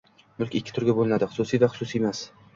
Mulk ikki turga bo‘linadi: xususiy va... xususiymas.